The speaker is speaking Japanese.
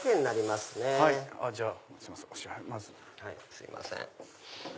すいません。